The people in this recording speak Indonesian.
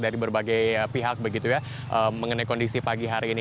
dari berbagai pihak begitu ya mengenai kondisi pagi hari ini